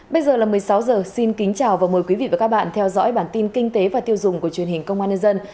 bây giờ là một mươi sáu h xin kính chào và mời quý vị và các bạn theo dõi bản tin kinh tế và tiêu dùng của truyền hình công an nhân dân